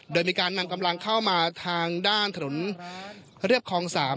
โดยมีการนำกำลังเข้ามาทางด้านถนนเรียบคลอง๓